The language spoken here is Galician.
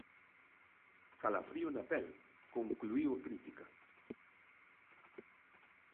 Calafrío na pel, concluíu a crítica.